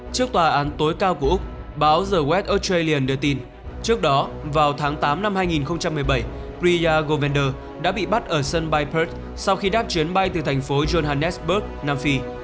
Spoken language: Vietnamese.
trước tòa án tối cao của úc báo the west australian đưa tin trước đó vào tháng tám năm hai nghìn một mươi bảy priya govender đã bị bắt ở sân bay perth sau khi đáp chuyến bay từ thành phố johannesburg nam phi